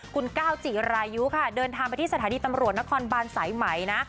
คุณก้าวจิรายุค่ะเดินทางไปที่สถานีตำรวจนครบานสายไหมนะ